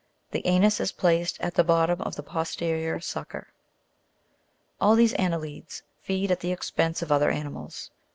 The anus is placed at the bottom of the posterior sucker (6). 13. All these anne'lides feed at the expense of other animals.